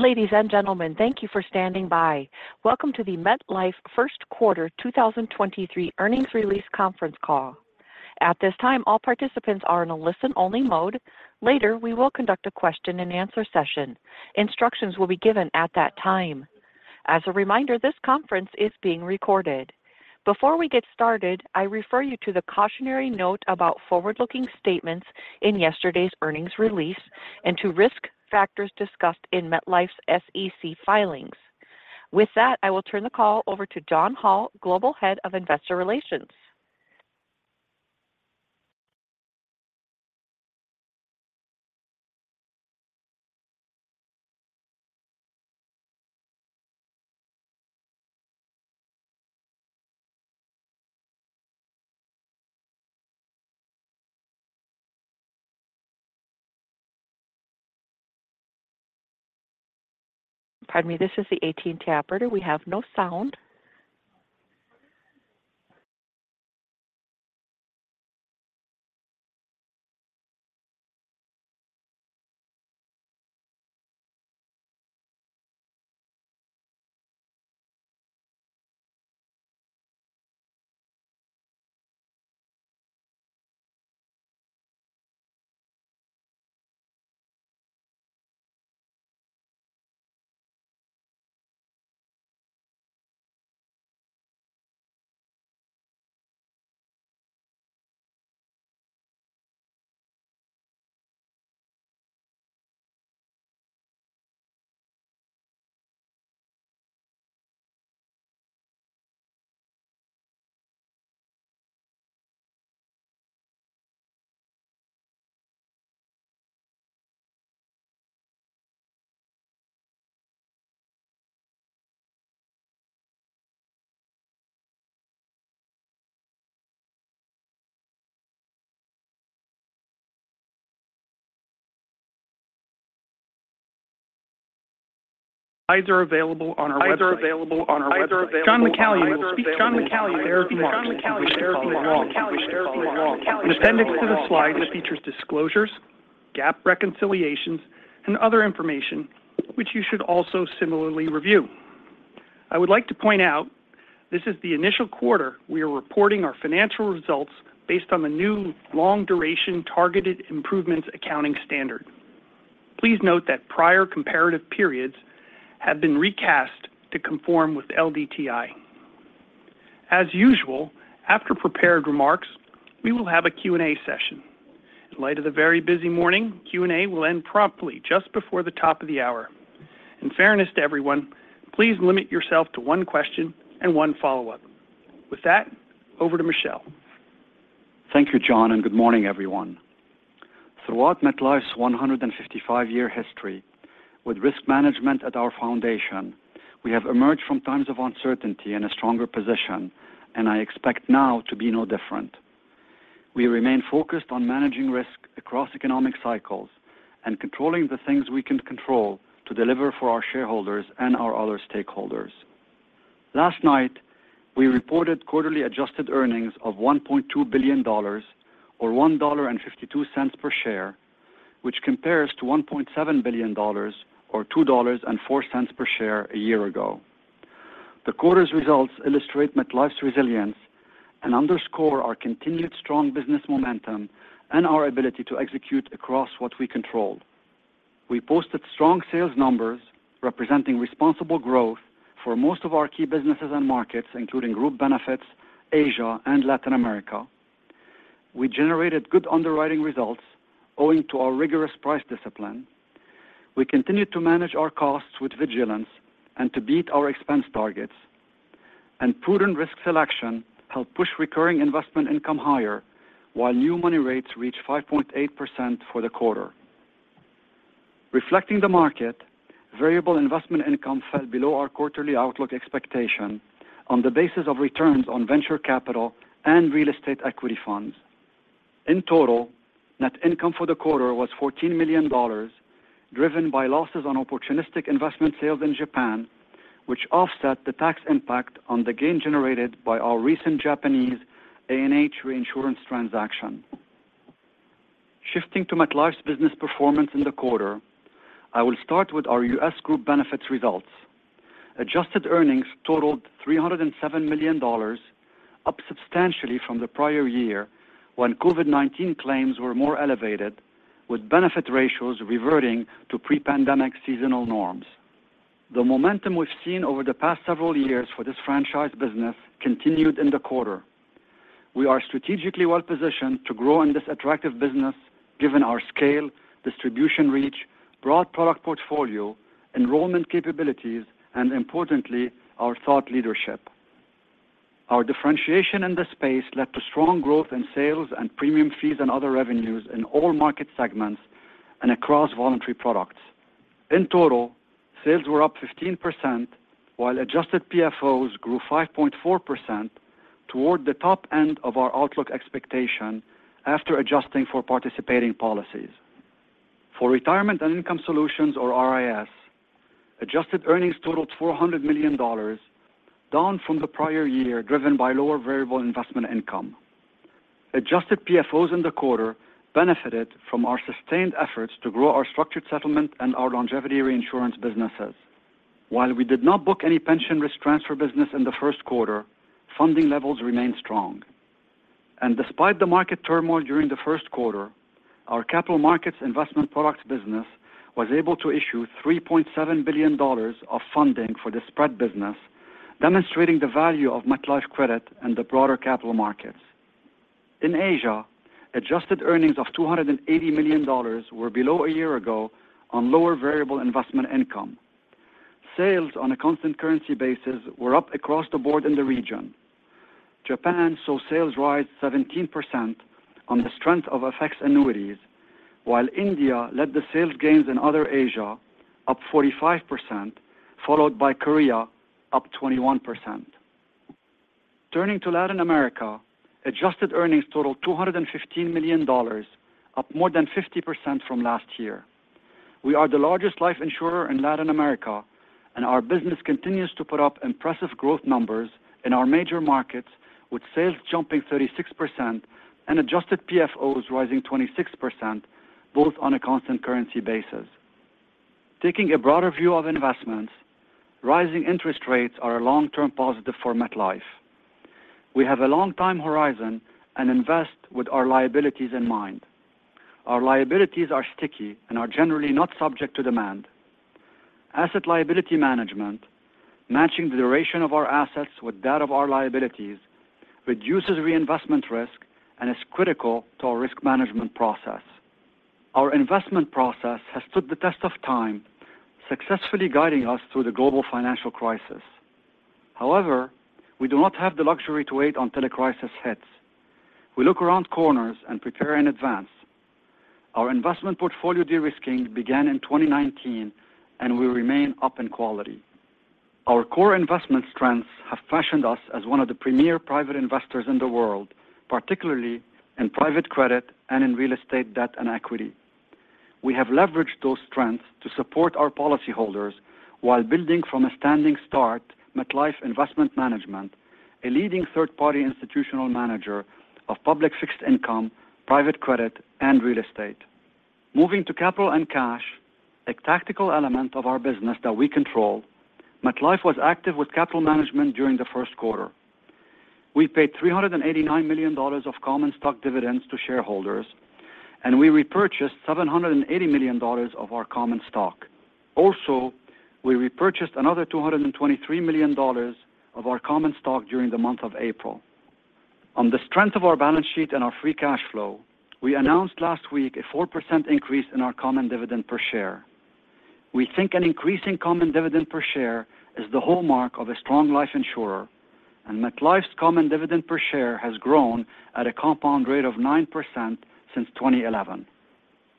Ladies and gentlemen, thank you for standing by. Welcome to the MetLife First Quarter 2023 earnings release conference call. At this time, all participants are in a listen-only mode. Later, we will conduct a question-and-answer session. Instructions will be given at that time. As a reminder, this conference is being recorded. Before we get started, I refer you to the cautionary note about forward-looking statements in yesterday's earnings release and to risk factors discussed in MetLife's SEC filings. I will turn the call over to John Hall, Global Head of Investor Relations. Pardon me, this is the AT&T operator. We have no sound. Slides are available on our website. John McCallion will speak to the prepared remarks accompanying this call. An appendix to the slides features disclosures, GAAP reconciliations, and other information which you should also similarly review. I would like to point out this is the initial quarter we are reporting our financial results based on the new Long-Duration Targeted Improvements accounting standard. Please note that prior comparative periods have been recast to conform with LDTI. As usual, after prepared remarks, we will have a Q&A session. In light of the very busy morning, Q&A will end promptly just before the top of the hour. In fairness to everyone, please limit yourself to one question and one follow-up. With that, over to Michel. Thank you, John. Good morning, everyone. Throughout MetLife's 155-year history with risk management at our foundation, we have emerged from times of uncertainty in a stronger position, and I expect now to be no different. We remain focused on managing risk across economic cycles and controlling the things we can control to deliver for our shareholders and our other stakeholders. Last night, we reported quarterly adjusted earnings of $1.2 billion or $1.52 per share, which compares to $1.7 billion or $2.04 per share a year ago. The quarter's results illustrate MetLife's resilience and underscore our continued strong business momentum and our ability to execute across what we control. We posted strong sales numbers representing responsible growth for most of our key businesses and markets, including Group Benefits, Asia, and Latin America. We generated good underwriting results owing to our rigorous price discipline. We continued to manage our costs with vigilance and to beat our expense targets. Prudent risk selection helped push recurring investment income higher, while new money rates reached 5.8% for the quarter. Reflecting the market, variable investment income fell below our quarterly outlook expectation on the basis of returns on venture capital and real estate equity funds. In total, net income for the quarter was $14 million, driven by losses on opportunistic investment sales in Japan, which offset the tax impact on the gain generated by our recent Japanese A&H reinsurance transaction. Shifting to MetLife's business performance in the quarter, I will start with our U.S. Group Benefits results. Adjusted earnings totaled $307 million, up substantially from the prior year when COVID-19 claims were more elevated, with benefit ratios reverting to pre-pandemic seasonal norms. The momentum we've seen over the past several years for this franchise business continued in the quarter. We are strategically well-positioned to grow in this attractive business given our scale, distribution reach, broad product portfolio, enrollment capabilities, and importantly, our thought leadership. Our differentiation in the space led to strong growth in sales and premium fees and other revenues in all market segments and across voluntary products. In total, sales were up 15%, while adjusted PFOs grew 5.4% toward the top end of our outlook expectation after adjusting for participating policies. For Retirement and Income Solutions or RIS, adjusted earnings totaled $400 million, down from the prior year, driven by lower Variable Investment Income. adjusted PFOs in the quarter benefited from our sustained efforts to grow our Structured Settlement and our Longevity Reinsurance businesses. While we did not book any Pension Risk Transfer business in the first quarter, funding levels remained strong. Despite the market turmoil during the first quarter, our capital markets investment products business was able to issue $3.7 billion of funding for the spread business, demonstrating the value of MetLife credit and the broader capital markets. In Asia, adjusted earnings of $280 million were below a year ago on lower Variable Investment Income. Sales on a constant currency basis were up across the board in the region. Japan saw sales rise 17% on the strength of FX annuities, while India led the sales gains in other Asia up 45%, followed by Korea up 21%. Turning to Latin America, adjusted earnings totaled $215 million, up more than 50% from last year. We are the largest life insurer in Latin America, and our business continues to put up impressive growth numbers in our major markets, with sales jumping 36% and adjusted PFOs rising 26%, both on a constant currency basis. Taking a broader view of investments, rising interest rates are a long-term positive for MetLife. We have a long time horizon and invest with our liabilities in mind. Our liabilities are sticky and are generally not subject to demand. Asset liability management, matching the duration of our assets with that of our liabilities, reduces reinvestment risk and is critical to our risk management process. Our investment process has stood the test of time, successfully guiding us through the global financial crisis. However, we do not have the luxury to wait until a crisis hits. We look around corners and prepare in advance. Our investment portfolio de-risking began in 2019 and will remain up in quality. Our core investment strengths have fashioned us as one of the premier private investors in the world, particularly in private credit and in real estate debt and equity. We have leveraged those strengths to support our policyholders while building from a standing start MetLife Investment Management, a leading third-party institutional manager of public fixed income, private credit, and real estate. Moving to capital and cash, a tactical element of our business that we control, MetLife was active with capital management during the first quarter. We paid $389 million of common stock dividends to shareholders. We repurchased $780 million of our common stock. We repurchased another $223 million of our common stock during the month of April. On the strength of our balance sheet and our free cash flow, we announced last week a 4% increase in our common dividend per share. We think an increasing common dividend per share is the hallmark of a strong life insurer. MetLife's common dividend per share has grown at a compound rate of 9% since 2011.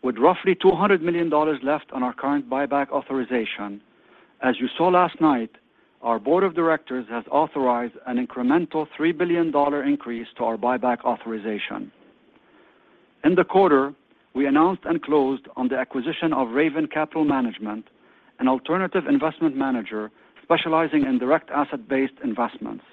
With roughly $200 million left on our current buyback authorization, as you saw last night, our board of directors has authorized an incremental $3 billion increase to our buyback authorization. In the quarter, we announced and closed on the acquisition of Raven Capital Management, an alternative investment manager specializing in direct asset-based investments.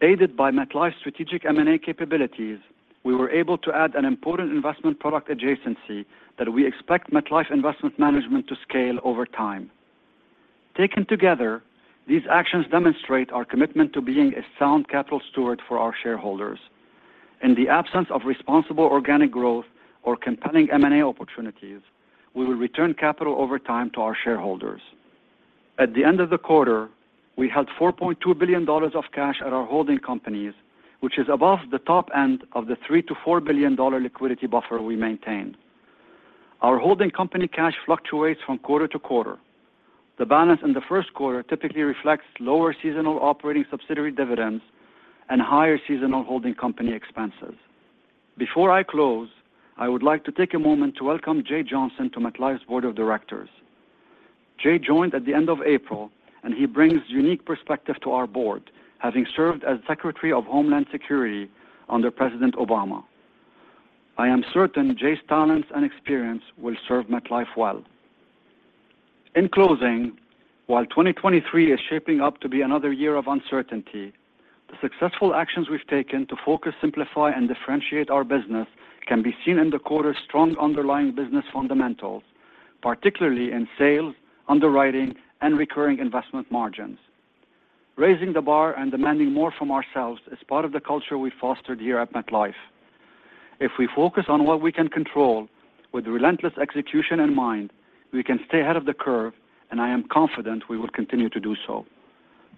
Aided by MetLife's strategic M&A capabilities, we were able to add an important investment product adjacency that we expect MetLife Investment Management to scale over time. Taken together, these actions demonstrate our commitment to being a sound capital steward for our shareholders. In the absence of responsible organic growth or compelling M&A opportunities, we will return capital over time to our shareholders. At the end of the quarter, we held $4.2 billion of cash at our holding companies, which is above the top end of the $3 billion-$4 billion liquidity buffer we maintain. Our holding company cash fluctuates from quarter to quarter. The balance in the first quarter typically reflects lower seasonal operating subsidiary dividends and higher seasonal holding company expenses. Before I close, I would like to take a moment to welcome Jeh Johnson to MetLife's board of directors. Jeh joined at the end of April, and he brings unique perspective to our board, having served as Secretary of Homeland Security under President Obama. I am certain Jeh's talents and experience will serve MetLife well. In closing, while 2023 is shaping up to be another year of uncertainty, the successful actions we've taken to focus, simplify, and differentiate our business can be seen in the quarter's strong underlying business fundamentals, particularly in sales, underwriting, and recurring investment margins. Raising the bar and demanding more from ourselves is part of the culture we fostered here at MetLife. If we focus on what we can control with relentless execution in mind, we can stay ahead of the curve, and I am confident we will continue to do so.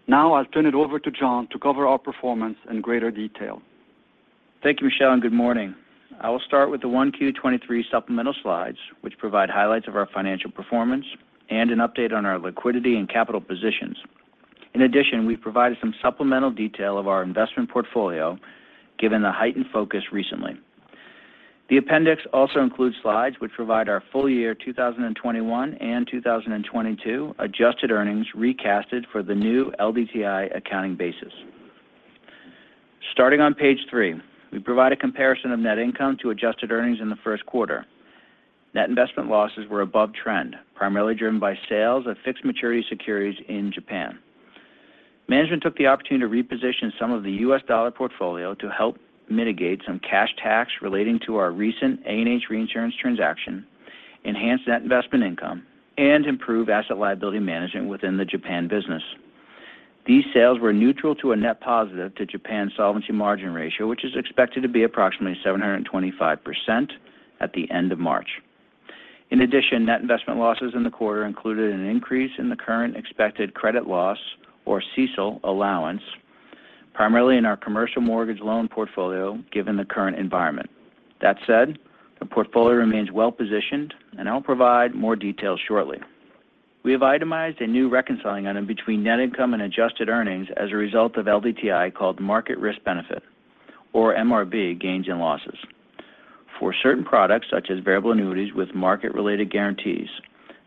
Now I'll turn it over to John to cover our performance in greater detail. Thank you, Michel, and good morning. I will start with the 1Q23 supplemental slides, which provide highlights of our financial performance and an update on our liquidity and capital positions. In addition, we provided some supplemental detail of our investment portfolio given the heightened focus recently. The appendix also includes slides which provide our full year 2021 and 2022 adjusted earnings recasted for the new LDTI accounting basis. Starting on Page 3, we provide a comparison of net income to adjusted earnings in the 1st quarter. Net investment losses were above trend, primarily driven by sales of fixed maturity securities in Japan. Management took the opportunity to reposition some of the U.S. dollar portfolio to help mitigate some cash tax relating to our recent A&H reinsurance transaction, enhance net investment income, and improve asset liability management within the Japan business. These sales were neutral to a net positive to Japan's solvency margin ratio, which is expected to be approximately 725% at the end of March. In addition, net investment losses in the quarter included an increase in the current expected credit loss or CECL allowance, primarily in our commercial mortgage loan portfolio, given the current environment. That said, the portfolio remains well-positioned, and I'll provide more details shortly. We have itemized a new reconciling item between net income and adjusted earnings as a result of LDTI called Market Risk Benefit or MRB gains and losses. For certain products such as variable annuities with market-related guarantees,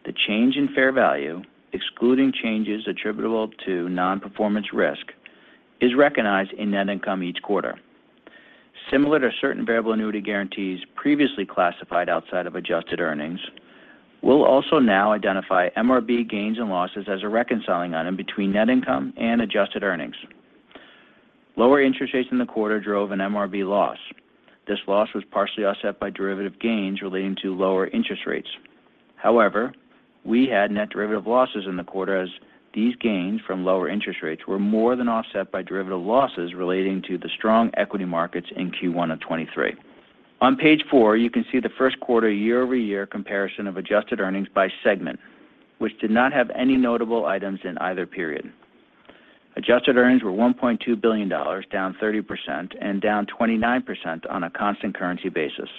the change in fair value, excluding changes attributable to non-performance risk, is recognized in net income each quarter. Similar to certain variable annuity guarantees previously classified outside of adjusted earnings, we'll also now identify MRB gains and losses as a reconciling item between net income and adjusted earnings. Lower interest rates in the quarter drove an MRB loss. This loss was partially offset by derivative gains relating to lower interest rates. We had net derivative losses in the quarter as these gains from lower interest rates were more than offset by derivative losses relating to the strong equity markets in Q1 of 2023. On Page 4, you can see the first quarter year-over-year comparison of adjusted earnings by segment, which did not have any notable items in either period. Adjusted earnings were $1.2 billion, down 30% and down 29% on a constant currency basis.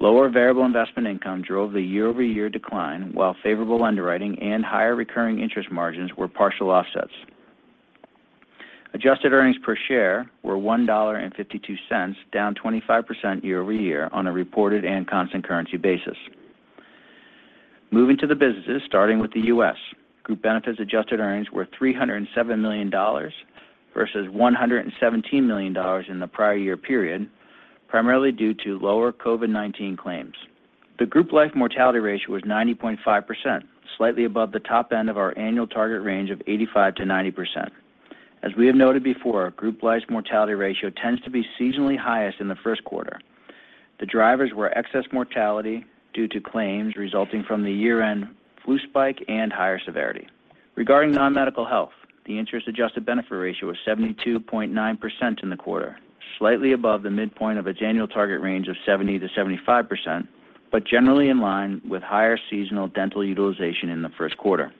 Lower Variable Investment Income drove the year-over-year decline, while favorable underwriting and higher recurring interest margins were partial offsets. Adjusted earnings per share were $1.52, down 25% year-over-year on a reported and constant currency basis. Moving to the businesses, starting with the US Group Benefits adjusted earnings were $307 million versus $117 million in the prior year period, primarily due to lower COVID-19 claims. The group life mortality ratio was 90.5%, slightly above the top end of our annual target range of 85%-90%. As we have noted before, group life's mortality ratio tends to be seasonally highest in the first quarter. The drivers were excess mortality due to claims resulting from the year-end flu spike and higher severity. Regarding non-medical health, the interest-adjusted benefit ratio was 72.9% in the quarter, slightly above the midpoint of its annual target range of 70%-75%, generally in line with higher seasonal dental utilization in the first quarter.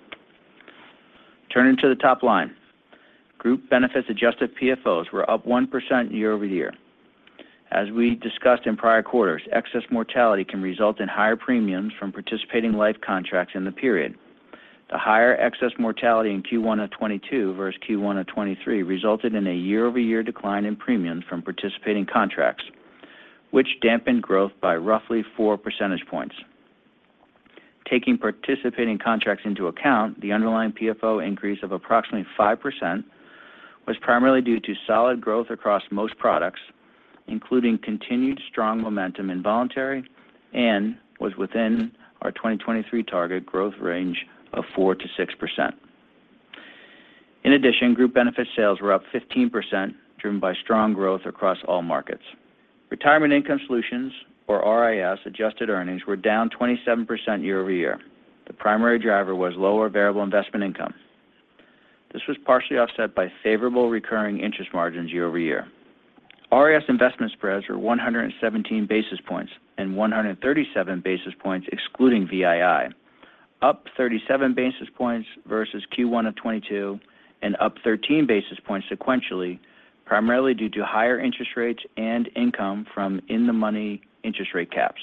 Turning to the top line. Group Benefits adjusted PFOs were up 1% year-over-year. As we discussed in prior quarters, excess mortality can result in higher premiums from participating life contracts in the period. The higher excess mortality in Q1 of 2022 versus Q1 of 2023 resulted in a year-over-year decline in premiums from participating contracts, which dampened growth by roughly four percentage points. Taking participating contracts into account, the underlying PFO increase of approximately 5% was primarily due to solid growth across most products, including continued strong momentum in voluntary and was within our 2023 target growth range of 4%-6%. Group Benefits sales were up 15%, driven by strong growth across all markets. Retirement Income Solutions, or RIS, adjusted earnings were down 27% year-over-year. The primary driver was lower Variable Investment Income. This was partially offset by favorable recurring interest margins year-over-year. RIS investment spreads were 117 basis points and 137 basis points excluding VII, up 37 basis points versus Q1 of 2022 and up 13 basis points sequentially, primarily due to higher interest rates and income from in-the-money interest rate caps.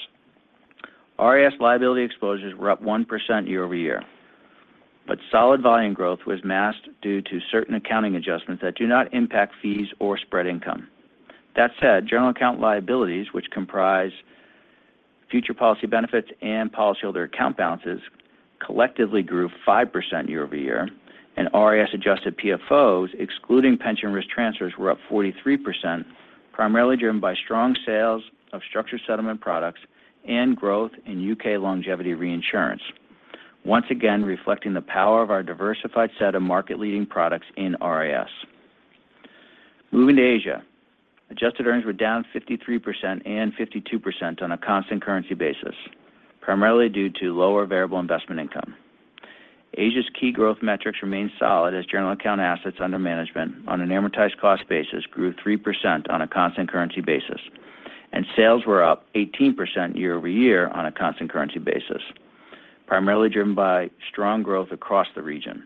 RIS liability exposures were up 1% year-over-year, solid volume growth was masked due to certain accounting adjustments that do not impact fees or spread income. That said, general account liabilities, which comprise future policy benefits and policyholder account balances, collectively grew 5% year-over-year, and RIS adjusted PFOs, excluding Pension Risk Transfers, were up 43%, primarily driven by strong sales of Structured Settlement products and growth in UK Longevity Reinsurance. Once again, reflecting the power of our diversified set of market-leading products in RIS. Moving to Asia. Adjusted earnings were down 53% and 52% on a constant currency basis, primarily due to lower Variable Investment Income. Asia's key growth metrics remained solid as general account assets under management on an amortized cost basis grew 3% on a constant currency basis, and sales were up 18% year-over-year on a constant currency basis, primarily driven by strong growth across the region.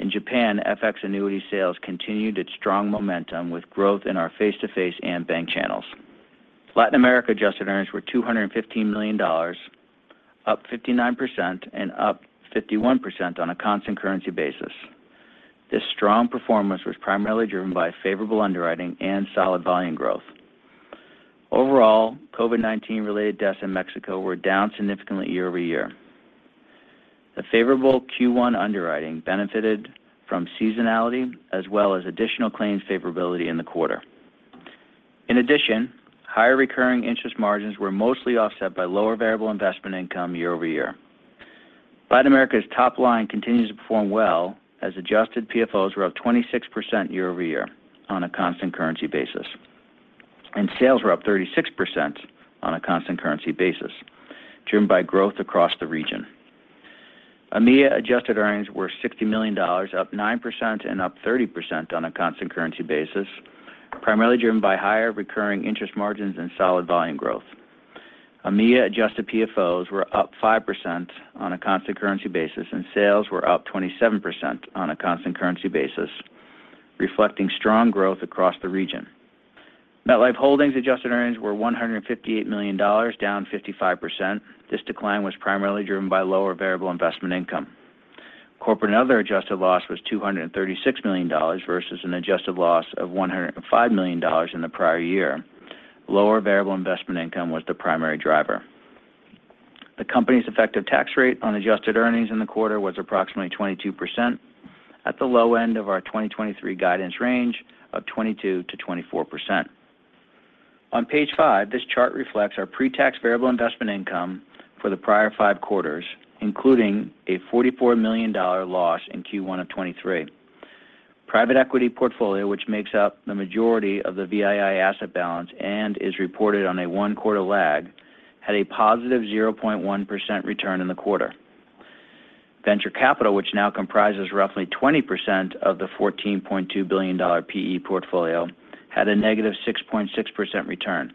In Japan, FX annuity sales continued its strong momentum with growth in our face-to-face and bank channels. Latin America adjusted earnings were $215 million, up 59% and up 51% on a constant currency basis. This strong performance was primarily driven by favorable underwriting and solid volume growth. Overall, COVID-19-related deaths in Mexico were down significantly year-over-year. The favorable Q1 underwriting benefited from seasonality as well as additional claims favorability in the quarter. In addition, higher recurring interest margins were mostly offset by lower Variable Investment Income year over year. Latin America's top line continues to perform well as adjusted PFOs were up 26% year over year on a constant currency basis, and sales were up 36% on a constant currency basis, driven by growth across the region. AMEA adjusted earnings were $60 million, up 9% and up 30% on a constant currency basis, primarily driven by higher recurring interest margins and solid volume growth. AMEA adjusted PFOs were up 5% on a constant currency basis, and sales were up 27% on a constant currency basis, reflecting strong growth across the region. MetLife Holdings adjusted earnings were $158 million, down 55%. This decline was primarily driven by lower Variable Investment Income. Corporate & Other adjusted loss was $236 million versus an adjusted loss of $105 million in the prior year. Lower Variable Investment Income was the primary driver. The company's effective tax rate on adjusted earnings in the quarter was approximately 22% at the low end of our 2023 guidance range of 22%-24%. On Page 5, this chart reflects our pre-tax Variable Investment Income for the prior five quarters, including a $44 million loss in Q1 of 2023. Private equity portfolio, which makes up the majority of the VII asset balance and is reported on a one-quarter lag, had a positive 0.1% return in the quarter. Venture capital, which now comprises roughly 20% of the $14.2 billion PE portfolio, had a negative 6.6% return.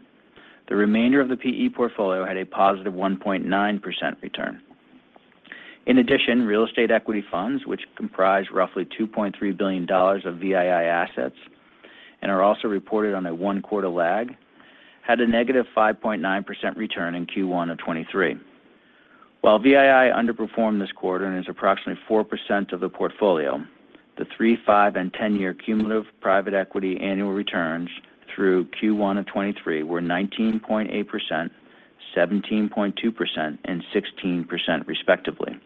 The remainder of the PE portfolio had a positive 1.9% return. In addition, real estate equity funds, which comprise roughly $2.3 billion of VII assets and are also reported on a one-quarter lag, had a negative 5.9% return in Q1 of 2023. While VII underperformed this quarter and is approximately 4% of the portfolio, the three, five, and 10-year cumulative private equity annual returns through Q1 of 2023 were 19.8%, 17.2%, and 16% respectively,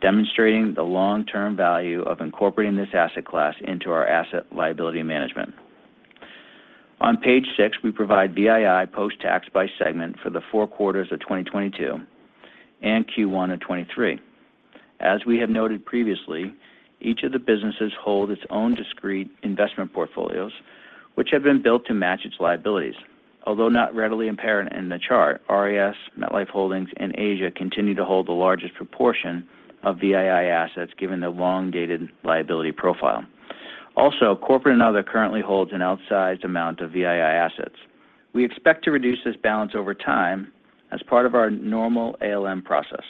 demonstrating the long-term value of incorporating this asset class into our asset liability management. On Page 6, we provide VII post-tax by segment for the four quarters of 2022 and Q1 of 2023. As we have noted previously, each of the businesses hold its own discrete investment portfolios, which have been built to match its liabilities. Although not readily apparent in the chart, RIS, MetLife Holdings, and Asia continue to hold the largest proportion of VII assets given the long-dated liability profile. Also, Corporate & Other currently holds an outsized amount of VII assets. We expect to reduce this balance over time as part of our normal ALM process.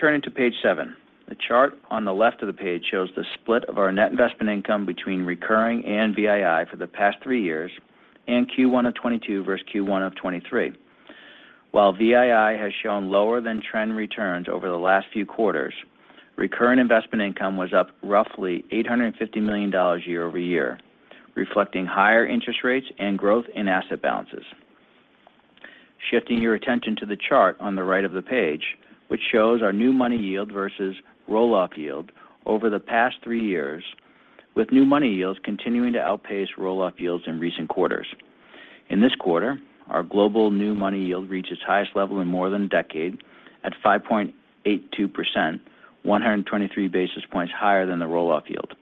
Turning to Page 7, the chart on the left of the page shows the split of our net investment income between recurring and VII for the past three years and Q1 of 2022 versus Q1 of 2023. While VII has shown lower-than-trend returns over the last few quarters, recurring investment income was up roughly $850 million year-over-year, reflecting higher interest rates and growth in asset balances. Shifting your attention to the chart on the right of the page, which shows our new money yield versus roll-off yield over the past three years, with new money yields continuing to outpace roll-off yields in recent quarters. In this quarter, our global new money yield reached its highest level in more than a decade at 5.82%, 123 basis points higher than the roll-off yield.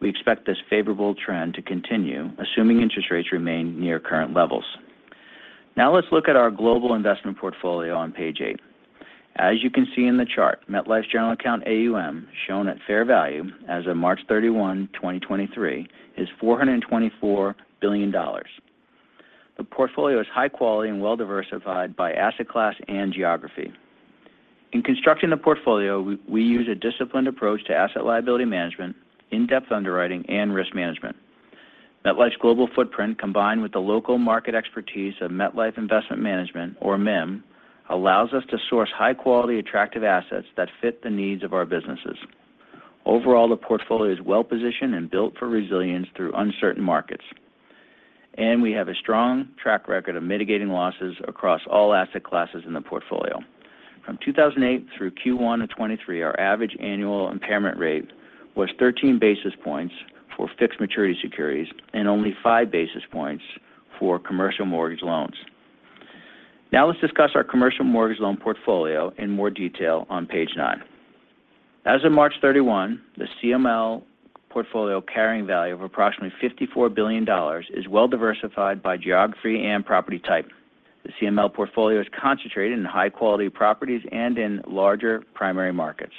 We expect this favorable trend to continue, assuming interest rates remain near current levels. Now let's look at our global investment portfolio on Page 8. As you can see in the chart, MetLife's general account AUM, shown at fair value as of March 31, 2023, is $424 billion. The portfolio is high quality and well-diversified by asset class and geography. In constructing the portfolio, we use a disciplined approach to asset liability management, in-depth underwriting, and risk management. MetLife's global footprint, combined with the local market expertise of MetLife Investment Management, or MIM, allows us to source high-quality, attractive assets that fit the needs of our businesses. Overall, the portfolio is well-positioned and built for resilience through uncertain markets, and we have a strong track record of mitigating losses across all asset classes in the portfolio. From 2008 through Q1 of 2023, our average annual impairment rate was 13 basis points for fixed maturity securities and only 5 basis points for commercial mortgage loans. Let's discuss our commercial mortgage loan portfolio in more detail on Page 9. As of March 31, the CML portfolio carrying value of approximately $54 billion is well-diversified by geography and property type. The CML portfolio is concentrated in high-quality properties and in larger primary markets.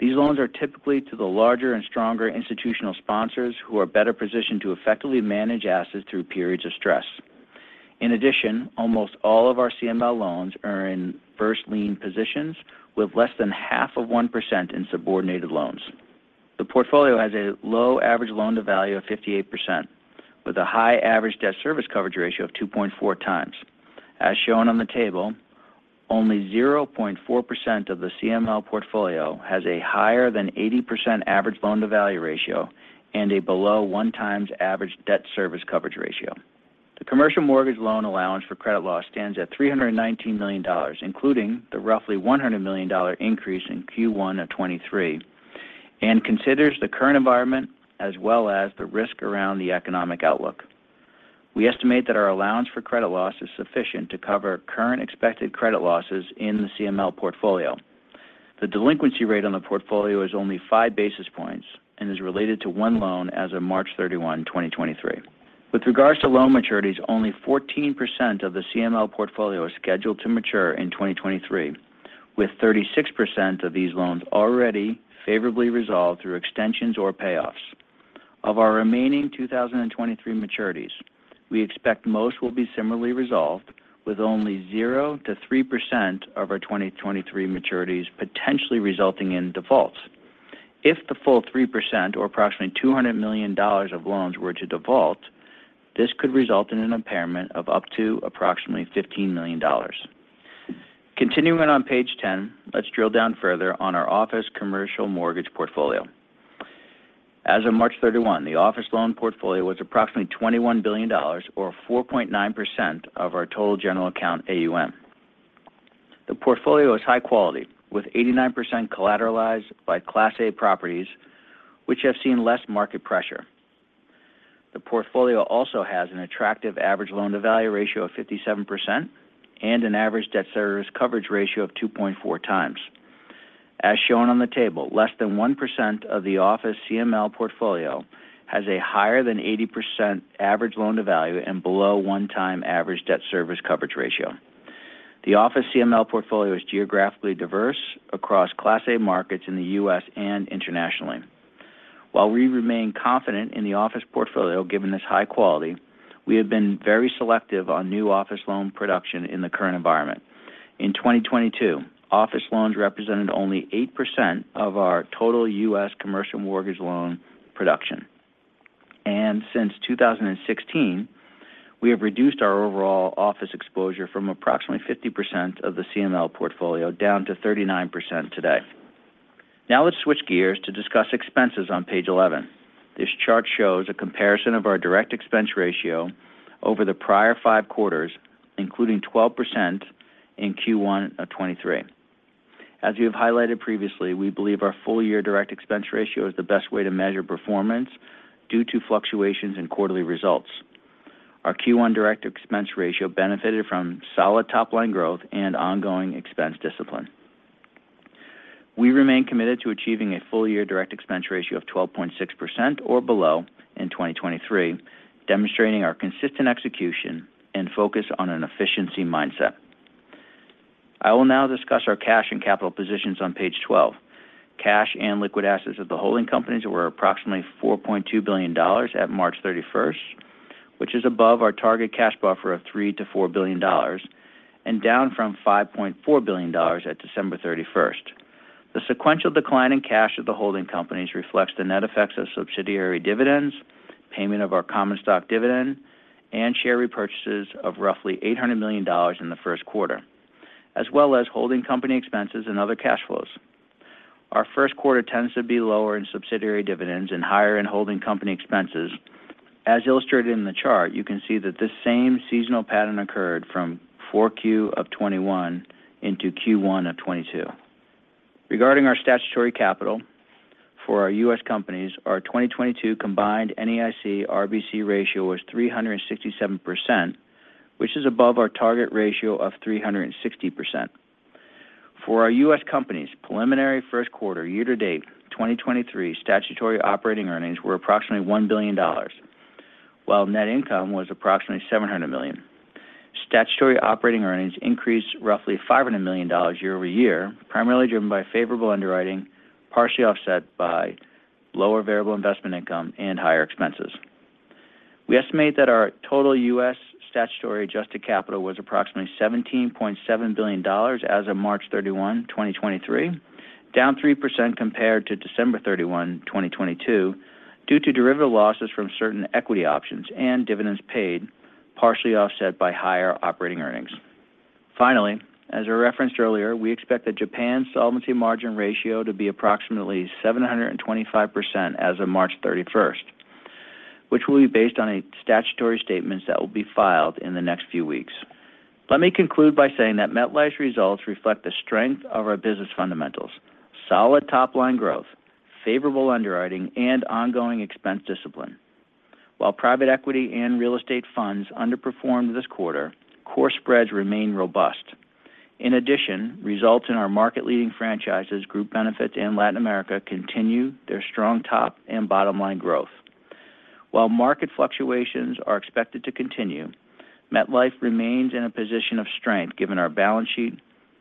These loans are typically to the larger and stronger institutional sponsors who are better positioned to effectively manage assets through periods of stress. Almost all of our CML loans are in first lien positions with less than half of 1% in subordinated loans. The portfolio has a low average loan-to-value of 58% with a high average debt service coverage ratio of 2.4X. As shown on the table, only 0.4% of the CML portfolio has a higher than 80% average loan-to-value ratio and a below 1x average debt service coverage ratio. The commercial mortgage loan allowance for credit loss stands at $319 million, including the roughly $100 million increase in Q1 2023. Considers the current environment as well as the risk around the economic outlook. We estimate that our allowance for credit loss is sufficient to cover current expected credit losses in the CML portfolio. The delinquency rate on the portfolio is only 5 basis points and is related to one loan as of March 31, 2023. With regards to loan maturities, only 14% of the CML portfolio is scheduled to mature in 2023, with 36% of these loans already favorably resolved through extensions or payoffs. Of our remaining 2023 maturities, we expect most will be similarly resolved with only zero to 3% of our 2023 maturities potentially resulting in defaults. If the full 3% or approximately $200 million of loans were to default, this could result in an impairment of up to approximately $15 million. Continuing on Page 10, let's drill down further on our office commercial mortgage portfolio. As of March 31, the office loan portfolio was approximately $21 billion or 4.9% of our total general account AUM. The portfolio is high quality with 89% collateralized by Class A properties which have seen less market pressure. The portfolio also has an attractive average loan-to-value ratio of 57% and an average debt service coverage ratio of 2.4x. As shown on the table, less than 1% of the office CML portfolio has a higher than 80% average loan to value and below one time average debt service coverage ratio. The office CML portfolio is geographically diverse across Class A markets in the U.S. and internationally. While we remain confident in the office portfolio, given this high quality, we have been very selective on new office loan production in the current environment. In 2022, office loans represented only 8% of our total U.S. commercial mortgage loan production. Since 2016, we have reduced our overall office exposure from approximately 50% of the CML portfolio down to 39% today. Now let's switch gears to discuss expenses on Page 11. This chart shows a comparison of our direct expense ratio over the prior five quarters including 12% in Q1 of 2023. As we have highlighted previously, we believe our full year direct expense ratio is the best way to measure performance due to fluctuations in quarterly results. Our Q1 direct expense ratio benefited from solid top line growth and ongoing expense discipline. We remain committed to achieving a full year direct expense ratio of 12.6% or below in 2023, demonstrating our consistent execution and focus on an efficiency mindset. I will now discuss our cash and capital positions on Page 12. Cash and liquid assets of the holding companies were approximately $4.2 billion at March 31st, which is above our target cash buffer of $3 billion-$4 billion and down from $5.4 billion at December 31st. The sequential decline in cash of the holding companies reflects the net effects of subsidiary dividends, payment of our common stock dividend, and share repurchases of roughly $800 million in the first quarter, as well as holding company expenses and other cash flows. Our first quarter tends to be lower in subsidiary dividends and higher in holding company expenses. As illustrated in the chart, you can see that this same seasonal pattern occurred from 4Q of 2021 into Q1 of 2022. Regarding our statutory capital for our U.S. companies, our 2022 combined NAIC RBC ratio is 367%, which is above our target ratio of 360%. For our U.S. companies, preliminary first quarter year-to-date 2023 statutory operating earnings were approximately $1 billion, while net income was approximately $700 million. Statutory operating earnings increased roughly $500 million year-over-year, primarily driven by favorable underwriting, partially offset by lower Variable Investment Income and higher expenses. We estimate that our total U.S. statutory adjusted capital was approximately $17.7 billion as of March 31, 2023, down 3% compared to December 31, 2022 due to derivative losses from certain equity options and dividends paid, partially offset by higher operating earnings. As I referenced earlier, we expect the Japan solvency margin ratio to be approximately 725 as of March 31st, which will be based on a statutory statements that will be filed in the next few weeks. Let me conclude by saying that MetLife's results reflect the strength of our business fundamentals, solid top line growth, favorable underwriting and ongoing expense discipline. While private equity and real estate funds underperformed this quarter, core spreads remain robust. In addition, results in our market leading franchises, Group Benefits and Latin America, continue their strong top and bottom line growth. While market fluctuations are expected to continue, MetLife remains in a position of strength given our balance sheet,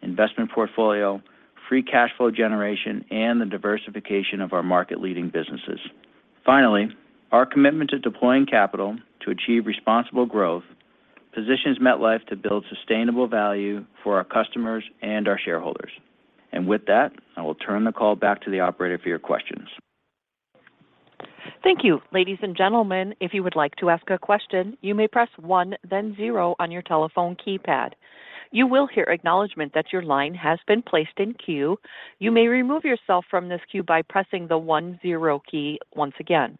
investment portfolio, free cash flow generation and the diversification of our market leading businesses. Finally, our commitment to deploying capital to achieve responsible growth positions MetLife to build sustainable value for our customers and our shareholders. With that, I will turn the call back to the operator for your questions. Thank you. Ladies and gentlemen, if you would like to ask a question, you may press one, then zero on your telephone keypad. You will hear acknowledgment that your line has been placed in queue. You may remove yourself from this queue by pressing the one-zero key once again.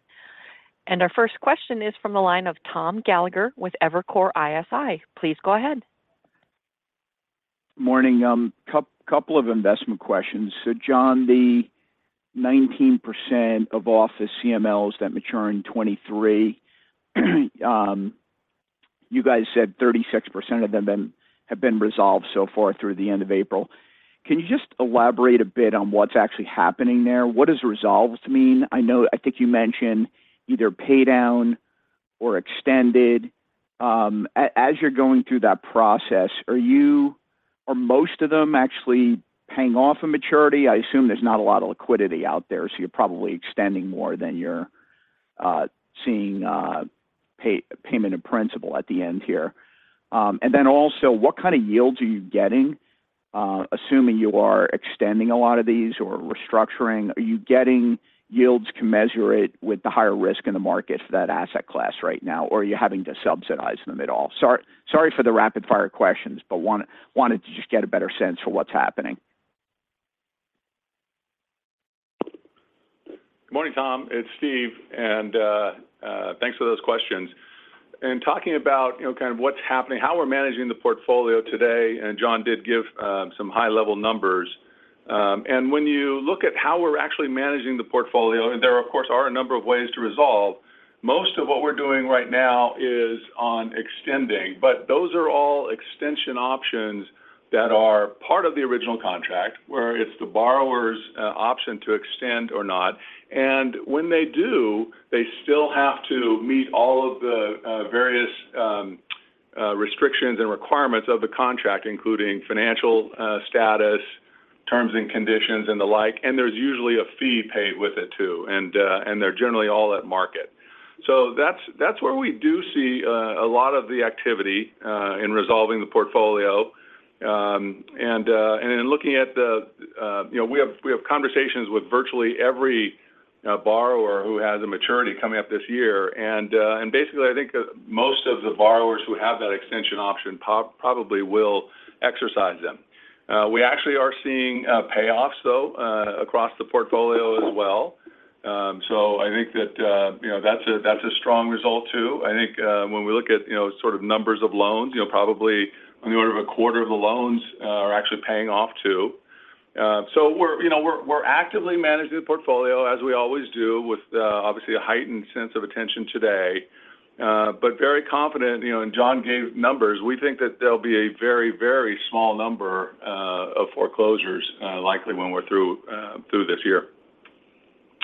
Our first question is from the line of Tom Gallagher with Evercore ISI. Please go ahead. Morning. Couple of investment questions. John, the 19% of office CMLs that mature in 2023, you guys said 36% of them have been resolved so far through the end of April. Can you just elaborate a bit on what's actually happening there? What does resolved mean? I think you mentioned either pay down or extended. As you're going through that process, are you or most of them actually paying off a maturity? I assume there's not a lot of liquidity out there, so you're probably extending more than you're seeing payment in principal at the end here. What kind of yields are you getting, assuming you are extending a lot of these or restructuring, are you getting yields commensurate with the higher risk in the market for that asset class right now? Are you having to subsidize them at all? Sorry for the rapid fire questions, but wanted to just get a better sense for what's happening. Good morning, Tom. It's Steve. Thanks for those questions. In talking about, you know, kind of what's happening, how we're managing the portfolio today, John did give some high level numbers. When you look at how we're actually managing the portfolio, and there, of course, are a number of ways to resolve, most of what we're doing right now is on extending. Those are all extension options that are part of the original contract, where it's the borrower's option to extend or not. When they do, they still have to meet all of the various restrictions and requirements of the contract, including financial status, terms and conditions, and the like. There's usually a fee paid with it too. They're generally all at market. That's where we do see a lot of the activity in resolving the portfolio. In looking at the, you know, we have conversations with virtually every borrower who has a maturity coming up this year. Basically, I think most of the borrowers who have that extension option probably will exercise them. We actually are seeing payoffs though across the portfolio as well. I think that, you know, that's a strong result too. I think when we look at, you know, sort of numbers of loans, you know, probably on the order of a quarter of the loans are actually paying off too. We're, you know, actively managing the portfolio as we always do with obviously a heightened sense of attention today. Very confident, you know, and John gave numbers, we think that there'll be a very, very small number of foreclosures, likely when we're through through this year.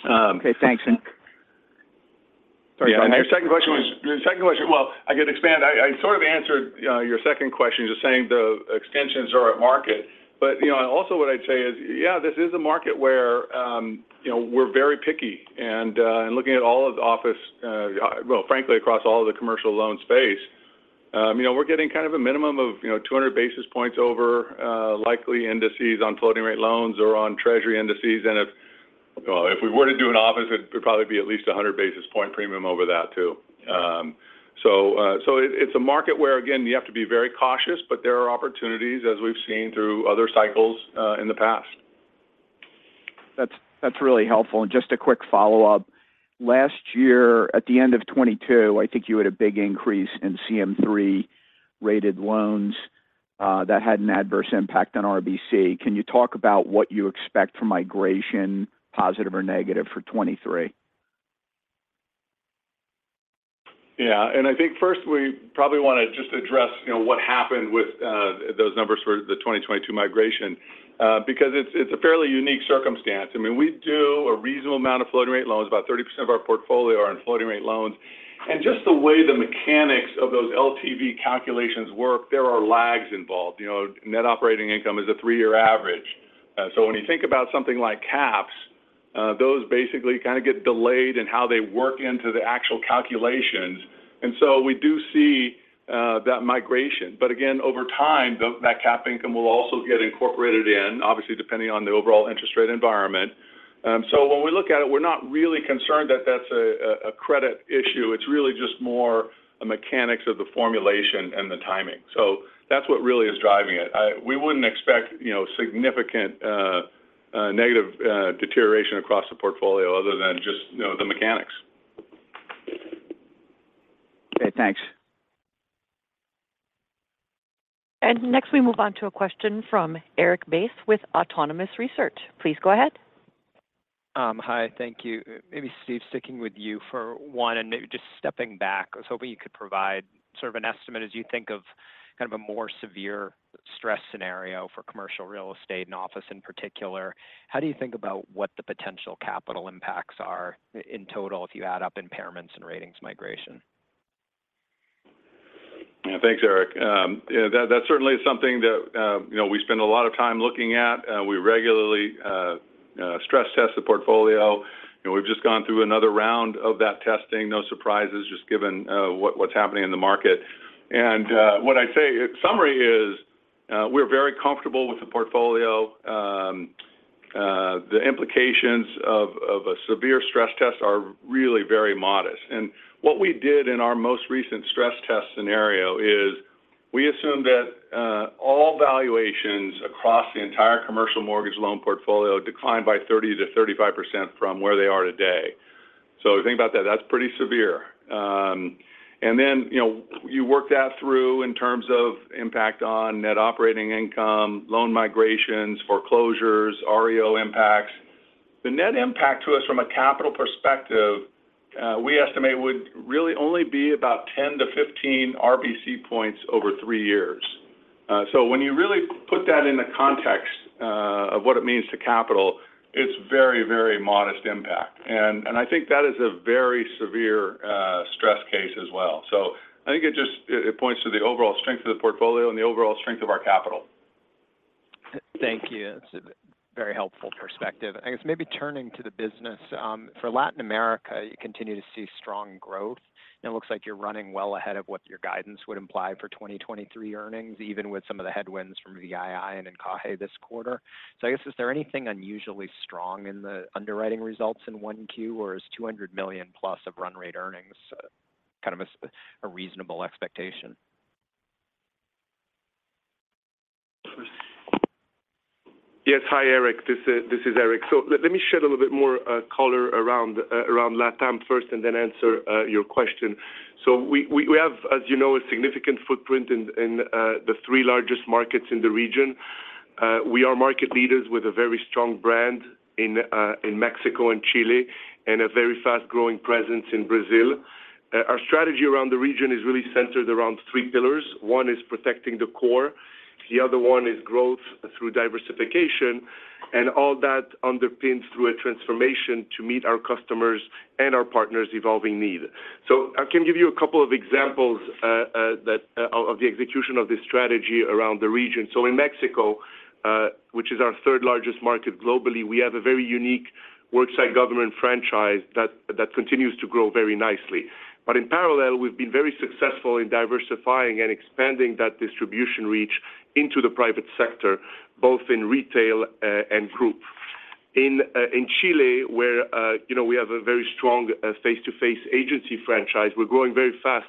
Okay, thanks. Sorry. Your second question was? Well, I could expand. I sort of answered your second question, just saying the extensions are at market. you know, also what I'd say is, yeah, this is a market where, you know, we're very picky and looking at all of the office, well, frankly, across all of the commercial loan space, you know, we're getting kind of a minimum of, you know, 200 basis points over likely indices on floating rate loans or on treasury indices. If, well, if we were to do an office, it would probably be at least 100 basis point premium over that too. it's a market where, again, you have to be very cautious, but there are opportunities as we've seen through other cycles in the past. That's really helpful. Just a quick follow-up. Last year, at the end of 2022, I think you had a big increase in CM3 rated loans that had an adverse impact on RBC. Can you talk about what you expect from migration, positive or negative for 2023? Yeah. I think first we probably want to just address, you know, what happened with those numbers for the 2022 migration because it's a fairly unique circumstance. I mean, we do a reasonable amount of floating rate loans. About 30% of our portfolio are in floating rate loans. Just the way the mechanics of those LTV calculations work, there are lags involved. You know, net operating income is a three-year average. When you think about something like caps, those basically kind of get delayed in how they work into the actual calculations. We do see that migration. Again, over time, that cap income will also get incorporated in, obviously depending on the overall interest rate environment. When we look at it, we're not really concerned that that's a credit issue. It's really just more a mechanics of the formulation and the timing. That's what really is driving it. We wouldn't expect, you know, significant negative deterioration across the portfolio other than just, you know, the mechanics. Okay, thanks. Next, we move on to a question from Erik Bass with Autonomous Research. Please go ahead. Hi. Thank you. Maybe Steve, sticking with you for one, and maybe just stepping back. I was hoping you could provide sort of an estimate as you think of kind of a more severe stress scenario for commercial real estate and office in particular. How do you think about what the potential capital impacts are in total if you add up impairments and ratings migration? Yeah. Thanks, Eric. Yeah, that certainly is something that, you know, we spend a lot of time looking at, we regularly stress test the portfolio. You know, we've just gone through another round of that testing, no surprises just given what's happening in the market. What I'd say in summary is, we're very comfortable with the portfolio. The implications of a severe stress test are really very modest. What we did in our most recent stress test scenario is we assumed that all valuations across the entire commercial mortgage loan portfolio declined by 30%-35% from where they are today. So if you think about that's pretty severe. Then, you know, you work that through in terms of impact on net operating income, loan migrations, foreclosures, REO impacts. The net impact to us from a capital perspective, we estimate would really only be about 10-15 RBC points over three years. When you really put that in the context of what it means to capital, it's very, very modest impact. I think that is a very severe stress case as well. I think it just it points to the overall strength of the portfolio and the overall strength of our capital. Thank you. It's a very helpful perspective. I guess maybe turning to the business, for Latin America, you continue to see strong growth, and it looks like you're running well ahead of what your guidance would imply for 2023 earnings, even with some of the headwinds from VII and Encaje this quarter. I guess, is there anything unusually strong in the underwriting results in 1Q, or is $200 million-plus of run rate earnings, kind of a reasonable expectation? Yes. Hi, Erik. This is Eric. Let me shed a little bit more color around LatAm first and then answer your question. We have, as you know, a significant footprint in the three largest markets in the region. We are market leaders with a very strong brand in Mexico and Chile and a very fast-growing presence in Brazil. Our strategy around the region is really centered around three pillars. One is protecting the core, the other one is growth through diversification, and all that underpins through a transformation to meet our customers and our partners evolving need. I can give you a couple of examples of the execution of this strategy around the region. In Mexico, which is our third-largest market globally, we have a very unique worksite government franchise that continues to grow very nicely. In parallel, we've been very successful in diversifying and expanding that distribution reach into the private sector, both in retail and group. In Chile, where, you know, we have a very strong face-to-face agency franchise, we're growing very fast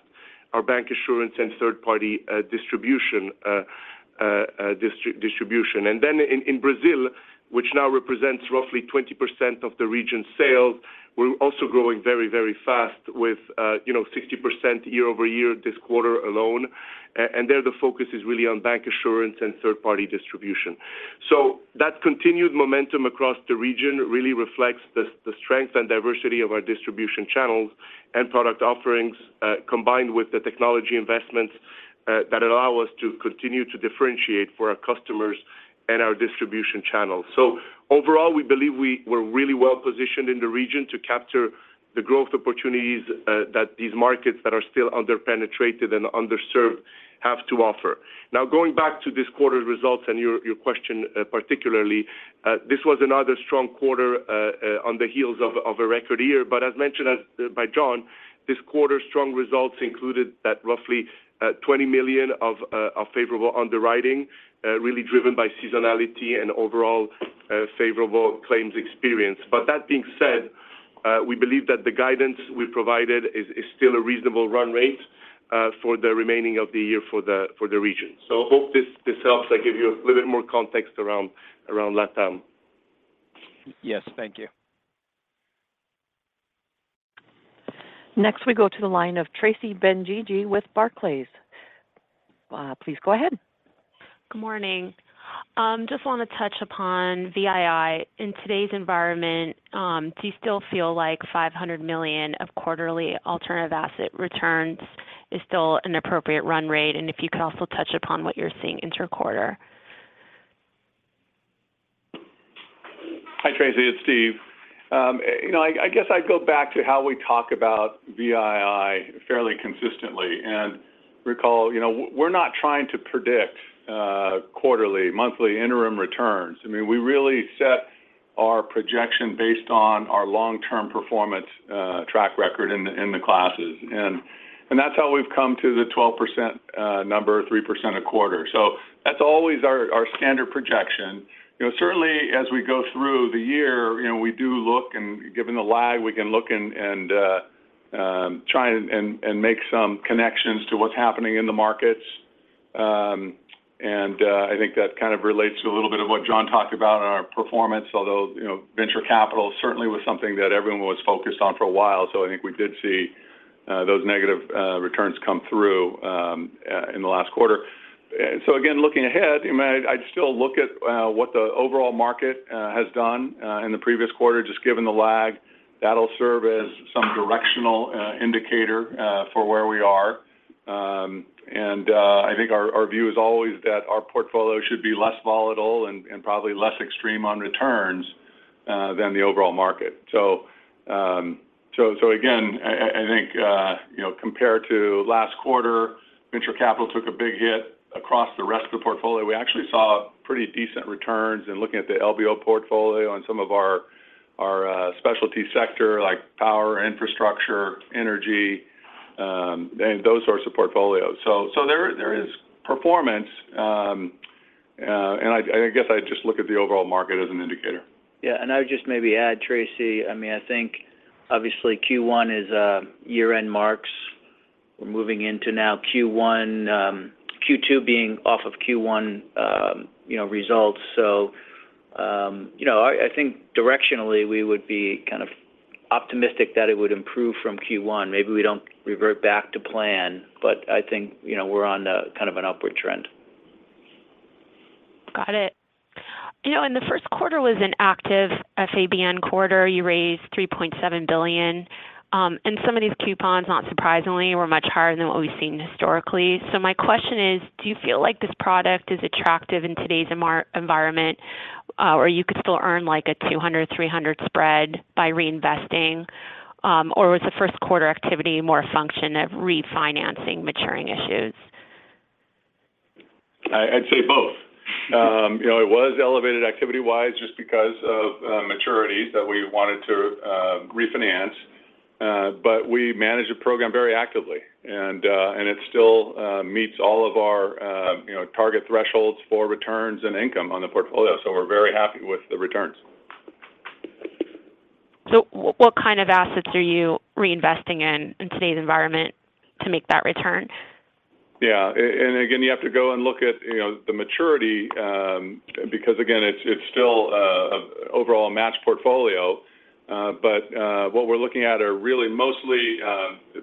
our Bancassurance and third-party distribution. In Brazil, which now represents roughly 20% of the region's sales, we're also growing very fast with, you know, 60% year-over-year this quarter alone. There the focus is really on Bancassurance and third-party distribution. That continued momentum across the region really reflects the strength and diversity of our distribution channels and product offerings, combined with the technology investments that allow us to continue to differentiate for our customers and our distribution channels. Overall, we believe we're really well-positioned in the region to capture the growth opportunities that these markets that are still under-penetrated and underserved have to offer. Going back to this quarter's results and your question, particularly, this was another strong quarter on the heels of a record year. As mentioned by John, this quarter's strong results included that roughly $20 million of favorable underwriting, really driven by seasonality and overall favorable claims experience. That being said, we believe that the guidance we provided is still a reasonable run rate for the remaining of the year for the region. Hope this helps, like, give you a little bit more context around LatAm. Yes. Thank you. Next we go to the line of Tracy Benguigui with Barclays. Please go ahead. Good morning. Just wanna touch upon VII. In today's environment, do you still feel like $500 million of quarterly alternative asset returns is still an appropriate run rate? If you could also touch upon what you're seeing inter-quarter. Hi, Tracy, it's Steve. You know, I guess I'd go back to how we talk about VII fairly consistently and recall, you know, we're not trying to predict quarterly, monthly interim returns. I mean, we really set our projection based on our long-term performance track record in the classes. And that's how we've come to the 12% number, 3% a quarter. That's always our standard projection. You know, certainly as we go through the year, you know, we do look, and given the lag, we can look and try and make some connections to what's happening in the markets. I think that kind of relates to a little bit of what John talked about in our performance, although, you know, venture capital certainly was something that everyone was focused on for a while. I think we did see those negative returns come through in the last quarter. Again, looking ahead, you know, I'd still look at what the overall market has done in the previous quarter, just given the lag. That'll serve as some directional indicator for where we are. I think our view is always that our portfolio should be less volatile and probably less extreme on returns than the overall market. Again, I think, you know, compared to last quarter, venture capital took a big hit. Across the rest of the portfolio, we actually saw pretty decent returns in looking at the LBO portfolio and some of our specialty sector like power, infrastructure, energy, and those sorts of portfolios. There is performance, and I guess I'd just look at the overall market as an indicator. Yeah. I would just maybe add, Tracy, I mean, I think obviously Q1 is year-end. We're moving into now Q1, Q2 being off of Q1, you know, results. You know, I think directionally we would be kind of optimistic that it would improve from Q1. Maybe we don't revert back to plan, but I think, you know, we're on a kind of an upward trend. Got it. You know, the first quarter was an active FABN quarter. You raised $3.7 billion. Some of these coupons, not surprisingly, were much higher than what we've seen historically. My question is: Do you feel like this product is attractive in today's environment, or you could still earn, like, a 200, 300 spread by reinvesting? Was the first quarter activity more a function of refinancing maturing issues? I'd say both. You know, it was elevated activity-wise just because of maturities that we wanted to refinance. We manage the program very actively and it still meets all of our, you know, target thresholds for returns and income on the portfolio. We're very happy with the returns. What kind of assets are you reinvesting in today's environment to make that return? Yeah. Again, you have to go and look at, you know, the maturity, because again, it's still overall a matched portfolio. What we're looking at are really mostly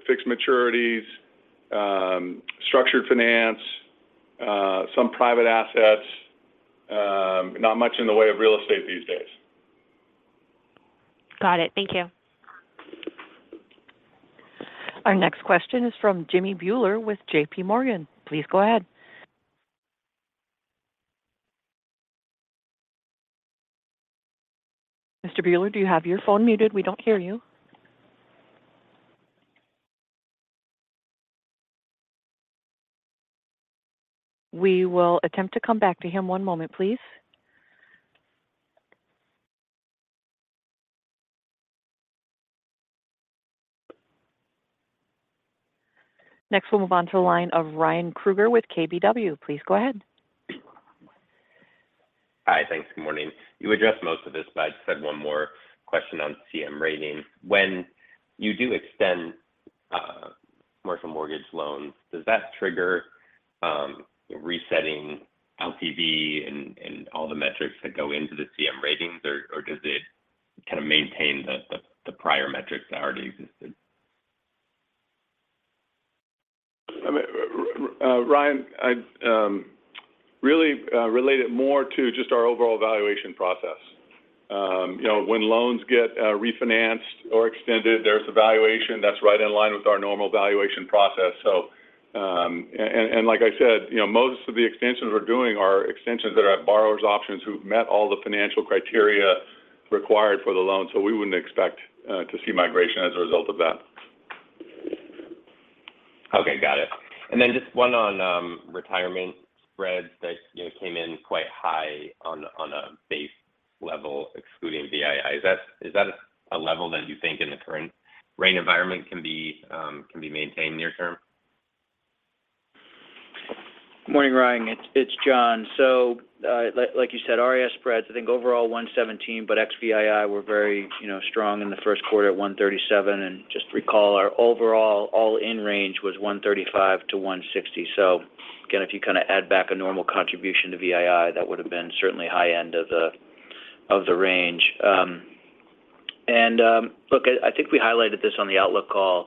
fixed maturities, structured finance, some private assets. Not much in the way of real estate these days. Got it. Thank you. Our next question is from Jammie Biller with J.P. Morgan. Please go ahead. Mr. Biller, do you have your phone muted? We don't hear you. We will attempt to come back to him. One moment, please. Next, we'll move on to the line of Ryan Krueger with KBW. Please go ahead. Hi. Thanks. Good morning. You addressed most of this, I just had one more question on CM ratings. When you do extend commercial mortgage loans, does that trigger resetting LTV and all the metrics that go into the CM ratings or does it kind of maintain the prior metrics that already existed? Ryan, I'd really relate it more to just our overall valuation process. You know, when loans get refinanced or extended, there's a valuation that's right in line with our normal valuation process. And like I said, you know, most of the extensions we're doing are extensions that are at borrowers' options who've met all the financial criteria required for the loan. We wouldn't expect to see migration as a result of that. Okay, got it. Then just one on retirement spreads that, you know, came in quite high on a base level, excluding VII. Is that a level that you think in the current rate environment can be maintained near term? Morning, Ryan. It's John. Like you said, RIA spreads, I think overall 117, but ex-VII were very, you know, strong in the first quarter at 137. Just recall our overall all-in range was 135-160. Again, if you kind of add back a normal contribution to VII, that would have been certainly high end of the, of the range. Look, I think we highlighted this on the outlook call.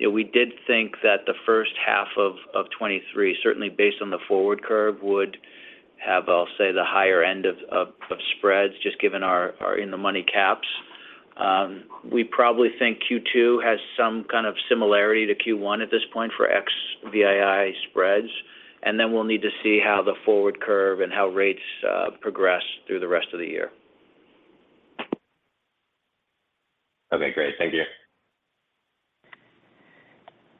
You know, we did think that the first half of 2023, certainly based on the forward curve, would have, I'll say, the higher end of, of spreads just given our in-the-money caps. We probably think Q2 has some kind of similarity to Q1 at this point for ex-VII spreads, and then we'll need to see how the forward curve and how rates progress through the rest of the year. Okay, great. Thank you.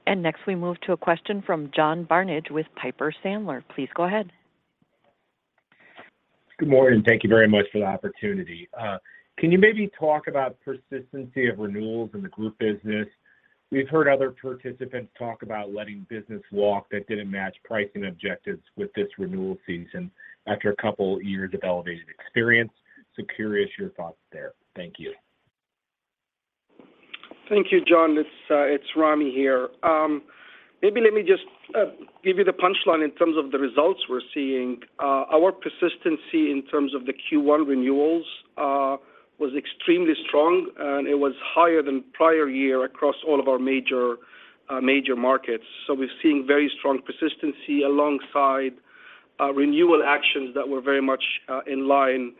Next, we move to a question from John Barnidge with Piper Sandler. Please go ahead. Good morning. Thank you very much for the opportunity. Can you maybe talk about persistency of renewals in the group business? We've heard other participants talk about letting business walk that didn't match pricing objectives with this renewal season after a couple year of elevated experience. Curious your thoughts there. Thank you. Thank you, John. It's, it's Ramy here. Maybe let me just give you the punchline in terms of the results we're seeing. Our persistency in terms of the Q1 renewals was extremely strong, and it was higher than prior year across all of our major markets. We're seeing very strong persistency alongside renewal actions that were very much in line with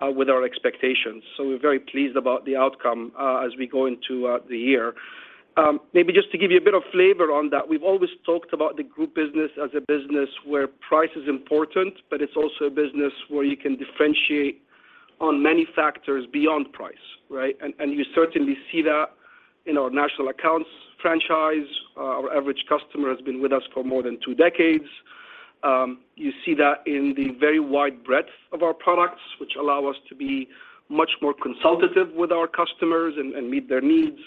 our expectations. We're very pleased about the outcome as we go into the year. Maybe just to give you a bit of flavor on that, we've always talked about the group business as a business where price is important, but it's also a business where you can differentiate on many factors beyond price, right? You certainly see that in our national accounts franchise. Our average customer has been with us for more than two decades. You see that in the very wide breadth of our products, which allow us to be much more consultative with our customers and meet their needs.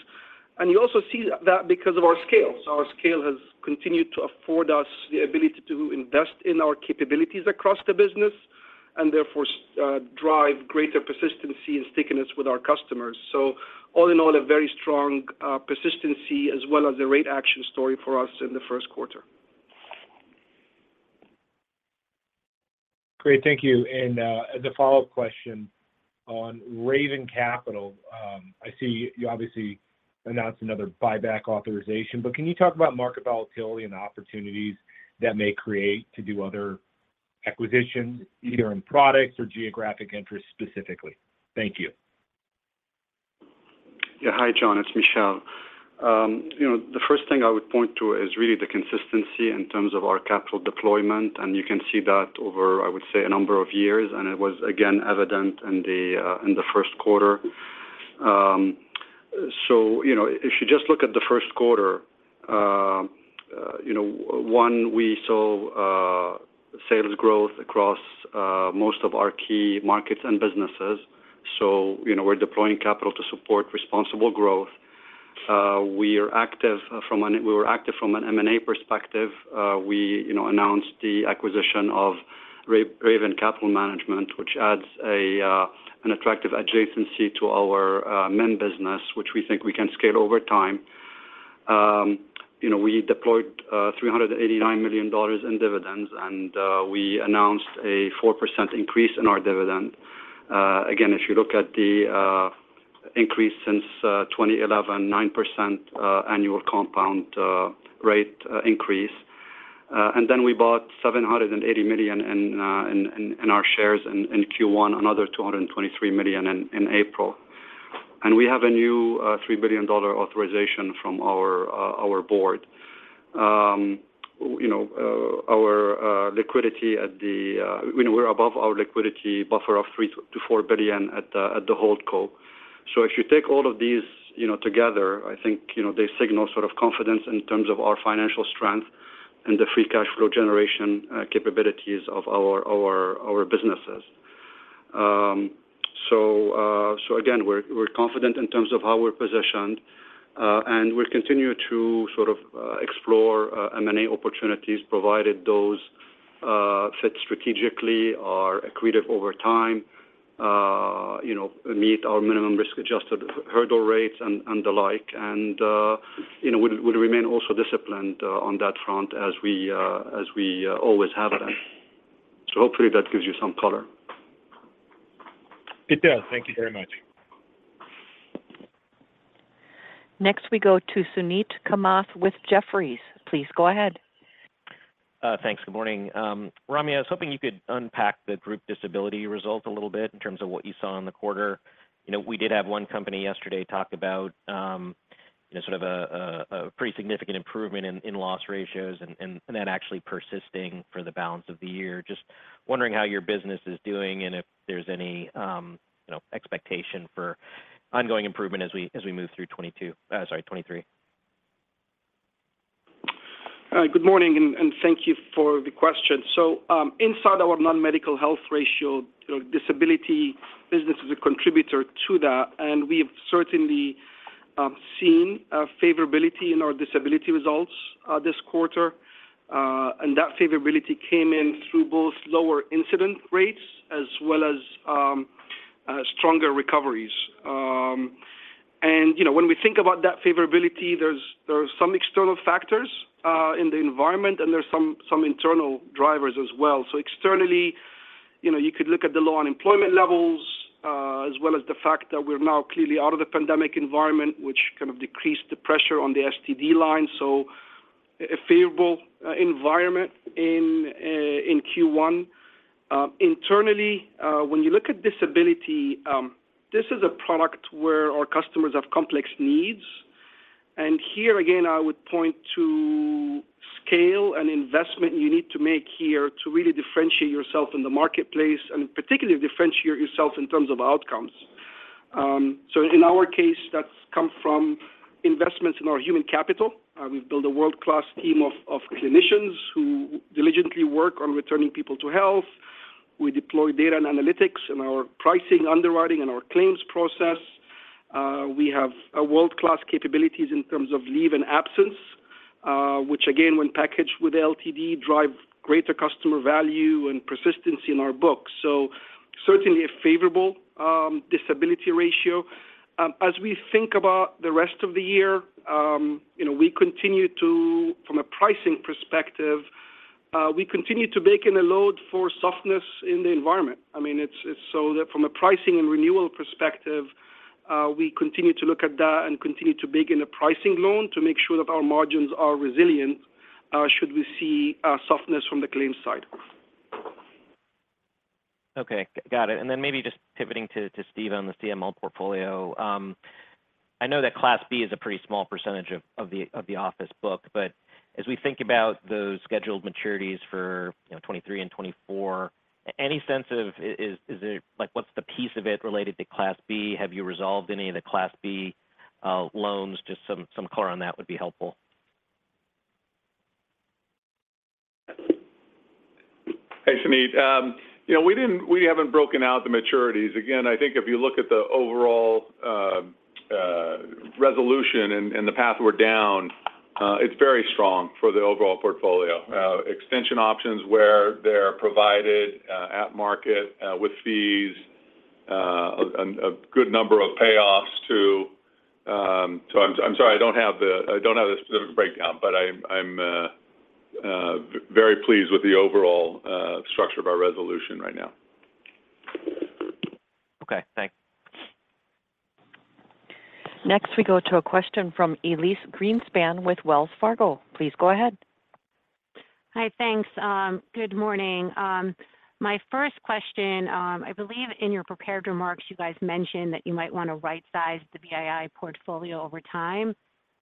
You also see that because of our scale. Our scale has continued to afford us the ability to invest in our capabilities across the business. Therefore, drive greater persistency and stickiness with our customers. All in all, a very strong persistency as well as a rate action story for us in the first quarter. Great. Thank you. As a follow-up question on Raven Capital, I see you obviously announced another buyback authorization, but can you talk about market volatility and opportunities that may create to do other acquisitions, either in products or geographic interest specifically? Thank you. Yeah. Hi, John. It's Michel. You know, the first thing I would point to is really the consistency in terms of our capital deployment, you can see that over, I would say, a number of years, and it was again evident in the first quarter. You know, if you just look at the first quarter, you know, one, we saw sales growth across most of our key markets and businesses. You know, we're deploying capital to support responsible growth. We were active from an M&A perspective. We, you know, announced the acquisition of Raven Capital Management, which adds an attractive adjacency to our main business, which we think we can scale over time. You know, we deployed $389 million in dividends, and we announced a 4% increase in our dividend. Again, if you look at the increase since 2011, 9% annual compound rate increase. We bought $780 million in our shares in Q1, another $223 million in April. We have a new $3 billion authorization from our board. You know, we're above our liquidity buffer of $3 billion-$4 billion at the hold co. If you take all of these, you know, together, I think, you know, they signal sort of confidence in terms of our financial strength and the free cash flow generation, capabilities of our businesses. Again, we're confident in terms of how we're positioned. We'll continue to sort of explore M&A opportunities provided those fit strategically, are accretive over time, you know, meet our minimum risk-adjusted hurdle rates and the like. You know, we'll remain also disciplined on that front as we always have been. Hopefully that gives you some color. It does. Thank you very much. We go to Suneet Kamath with Jefferies. Please go ahead. Thanks. Good morning. Ramy, I was hoping you could unpack the group disability result a little bit in terms of what you saw in the quarter. You know, we did have one company yesterday talk about, you know, sort of a pretty significant improvement in loss ratios and that actually persisting for the balance of the year. Just wondering how your business is doing and if there's any, you know, expectation for ongoing improvement as we, as we move through 2022, sorry, 2023. Good morning and thank you for the question. Inside our non-medical health ratio, you know, disability business is a contributor to that, and we've certainly seen a favorability in our disability results this quarter. That favorability came in through both lower incident rates as well as stronger recoveries. You know, when we think about that favorability, there's some external factors in the environment, and there's some internal drivers as well. Externally, you know, you could look at the low unemployment levels as well as the fact that we're now clearly out of the pandemic environment, which kind of decreased the pressure on the STD line, a favorable environment in Q1. Internally, when you look at disability, this is a product where our customers have complex needs. Here again, I would point to scale and investment you need to make here to really differentiate yourself in the marketplace and particularly differentiate yourself in terms of outcomes. In our case, that's come from investments in our human capital. We've built a world-class team of clinicians who diligently work on returning people to health. We deploy data and analytics in our pricing, underwriting, and our claims process. We have a world-class capabilities in terms of leave and absence, which again, when packaged with LTD, drive greater customer value and persistence in our books. Certainly a favorable disability ratio. As we think about the rest of the year, you know, we continue to, from a pricing perspective, we continue to bake in a load for softness in the environment. I mean, it's that from a pricing and renewal perspective, we continue to look at that and continue to bake in a pricing loan to make sure that our margins are resilient, should we see softness from the claims side. Okay. Got it. Maybe just pivoting to Steve on the CML portfolio. I know that Class B is a pretty small percentage of the office book, but as we think about those scheduled maturities for, you know, 2023 and 2024, any sense of, like, what's the piece of it related to Class B? Have you resolved any of the Class B loans? Just some color on that would be helpful. Hey, Suneet. you know, we haven't broken out the maturities. I think if you look at the overall... Resolution and the path we're down, it's very strong for the overall portfolio. Extension options where they're provided, at market, with fees. A good number of payoffs too. I'm sorry, I don't have the specific breakdown, but I'm very pleased with the overall structure of our resolution right now. Okay, thanks. Next, we go to a question from Elyse Greenspan with Wells Fargo. Please go ahead. Hi. Thanks. Good morning. My first question, I believe in your prepared remarks you guys mentioned that you might want to right size the VII portfolio over time.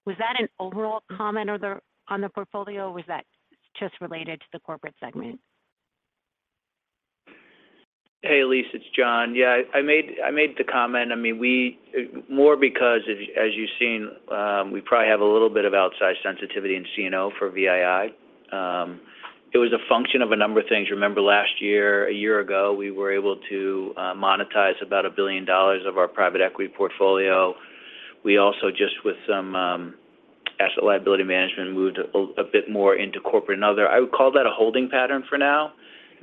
Was that an overall comment on the portfolio, or was that just related to the corporate segment? Hey, Elyse, it's John. Yeah, I made the comment. I mean, more because as you've seen, we probably have a little bit of outsized sensitivity in Corporate & Other for VII. It was a function of a number of things. Remember last year, a year ago, we were able to monetize about $1 billion of our private equity portfolio. We also just with some asset liability management moved a bit more into Corporate & Other. I would call that a holding pattern for now.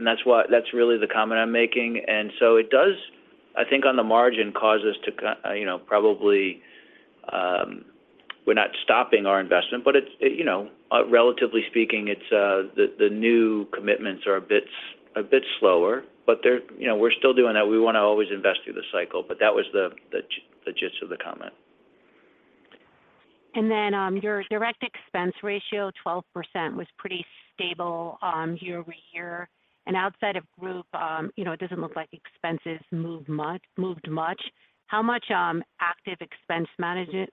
That's why that's really the comment I'm making. So it does, I think on the margin, cause us to, you know, probably, we're not stopping our investment, but it's, you know, relatively speaking, the new commitments are a bit slower. you know, we're still doing that. We want to always invest through the cycle, but that was the gist of the comment. Your direct expense ratio, 12%, was pretty stable, year-over-year. Outside of group, you know, it doesn't look like expenses moved much. How much active expense management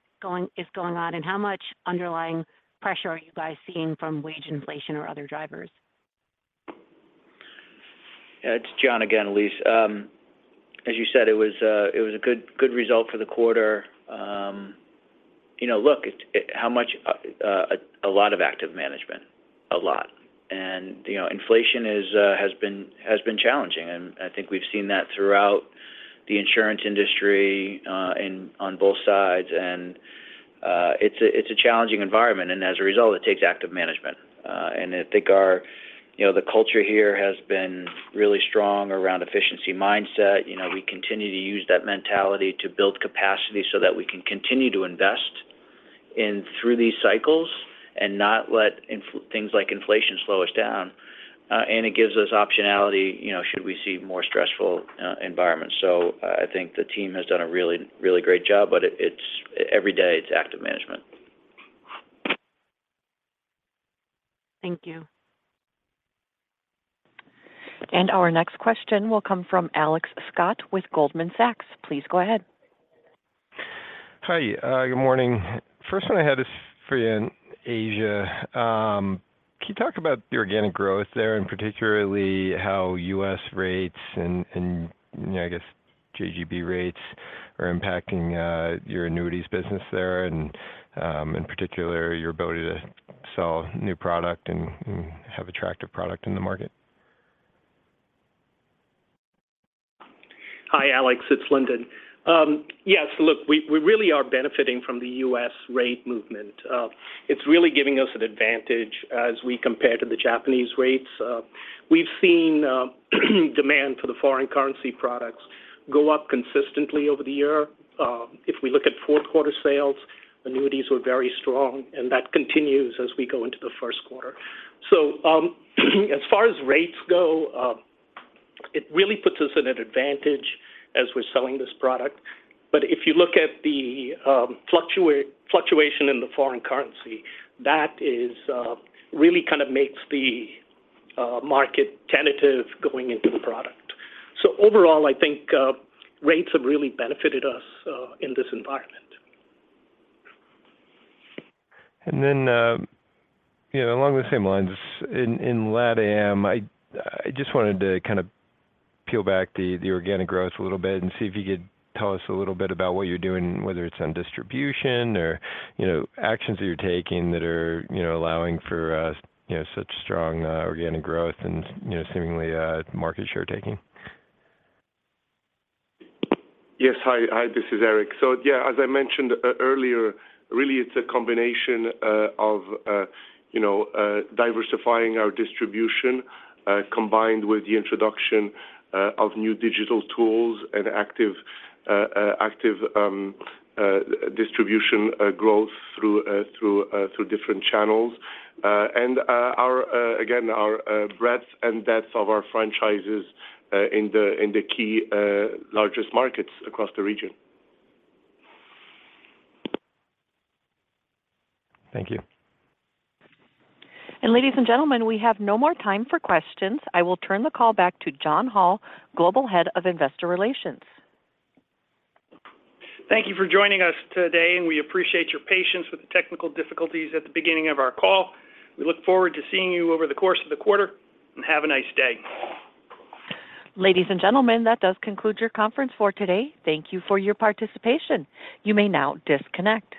is going on? How much underlying pressure are you guys seeing from wage inflation or other drivers? It's John again, Elyse. As you said, it was a good result for the quarter. You know, look, how much, a lot of active management. A lot. You know, inflation is has been challenging. I think we've seen that throughout the insurance industry, and on both sides. It's a challenging environment, and as a result, it takes active management. I think our, you know, the culture here has been really strong around efficiency mindset. You know, we continue to use that mentality to build capacity so that we can continue to invest in through these cycles and not let things like inflation slow us down. It gives us optionality, you know, should we see more stressful, environments. I think the team has done a really, really great job. It's every day it's active management. Thank you. Our next question will come from Alex Scott with Goldman Sachs. Please go ahead. Hi. Good morning. First one I had is for you in Asia. Can you talk about the organic growth there, and particularly how U.S. rates and, you know, I guess JGB rates are impacting your annuities business there, and in particular your ability to sell new product and have attractive product in the market? Hi, Alex. It's Lyndon. Yes, look, we really are benefiting from the U.S. rate movement. It's really giving us an advantage as we compare to the Japanese rates. We've seen demand for the foreign currency products go up consistently over the year. If we look at fourth quarter sales, annuities were very strong, and that continues as we go into the first quarter. As far as rates go, it really puts us at an advantage as we're selling this product. If you look at the fluctuation in the foreign currency, that is really kind of makes the market tentative going into the product. Overall, I think rates have really benefited us in this environment. You know, along the same lines, in LatAm, I just wanted to kind of peel back the organic growth a little bit and see if you could tell us a little bit about what you're doing, whether it's on distribution or, you know, actions that you're taking that are, you know, allowing for, you know, such strong, organic growth and, you know, seemingly, market share taking. Yes. Hi. Hi, this is Eric. Yeah, as I mentioned earlier, really it's a combination of, you know, diversifying our distribution, combined with the introduction of new digital tools and active distribution growth through different channels. Again, our breadth and depth of our franchises in the key largest markets across the region. Thank you. Ladies and gentlemen, we have no more time for questions. I will turn the call back to John Hall, Global Head of Investor Relations. Thank you for joining us today, and we appreciate your patience with the technical difficulties at the beginning of our call. We look forward to seeing you over the course of the quarter, and have a nice day. Ladies and gentlemen, that does conclude your conference for today. Thank you for your participation. You may now disconnect.